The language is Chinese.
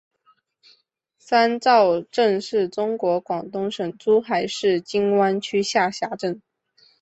三灶镇是中国广东省珠海市金湾区下辖镇。